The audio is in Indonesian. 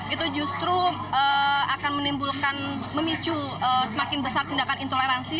itu justru akan menimbulkan memicu semakin besar tindakan intoleransi